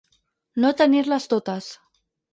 No tenir-les totes.